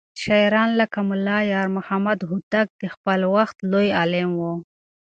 شاعران لکه ملا يارمحمد هوتک د خپل وخت لوى عالم و.